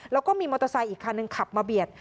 แล้วก็มีมอเตอร์ไซค์อีกคันหนึ่งขับมาเบียด